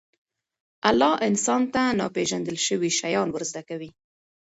الله انسان ته ناپېژندل شوي شیان ورزده کوي.